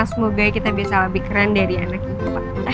semoga kita bisa lebih keren dari anak ipa